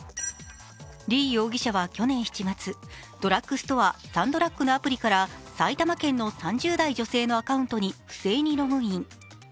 李容疑者は去年７月、ドラッグストア・サンドラッグのアプリから埼玉県の３０代女性のアカウントに不正にログイン。